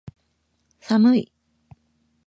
寒い